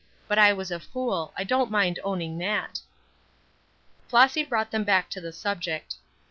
But I was a fool; I don't mind owning that." Flossy brought them back to the subject.